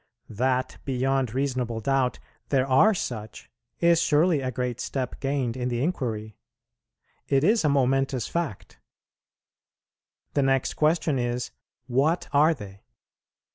That, beyond reasonable doubt, there are such is surely a great step gained in the inquiry; it is a momentous fact. The next question is, What are they?